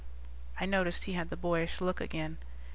I noticed he had the boyish look again.